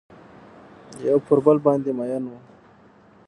یو پر بل باندې میین وه